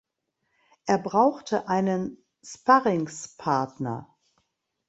Er brauchte einen Sparringspartner.